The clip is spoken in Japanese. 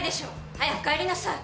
早く帰りなさい。